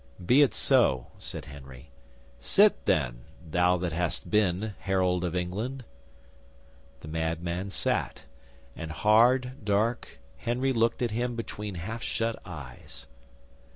"Be it so," said Henry. "Sit, then, thou that hast been Harold of England." 'The madman sat, and hard, dark Henry looked at him between half shut eyes.